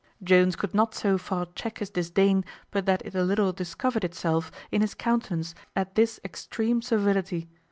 Jones could not so far check his disdain, but that it a little discovered itself in his countenance at this extreme servility.